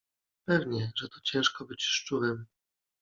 Pewnie, że to ciężko być szczurem!